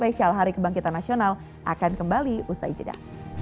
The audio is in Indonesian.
spesial hari kebangkitan nasional akan kembali usai jeda